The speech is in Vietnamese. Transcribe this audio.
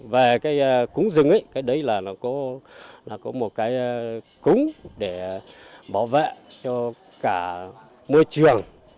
về cúng rừng đây là một cúng để bảo vệ cho cả môi trường